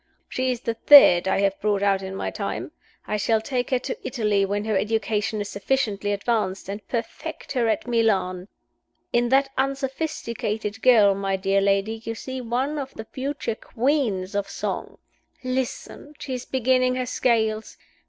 She is the third I have brought out in my time. I shall take her to Italy when her education is sufficiently advanced, and perfect her at Milan. In that unsophisticated girl, my dear lady, you see one of the future Queens of Song. Listen! She is beginning her scales.